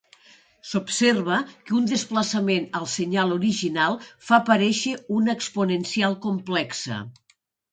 S'observa que un desplaçament al senyal original fa aparèixer una exponencial complexa.